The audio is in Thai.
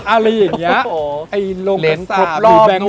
อะไรอย่างเงี้ยไอหลวงกับผบ